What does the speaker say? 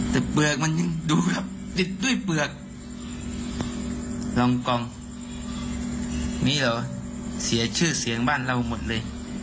แต่เปลือกมันยังดูแบบติดด้วยเปลือกรองกองนี้เหรอเสียชื่อเสียงบ้านเราหมดเลย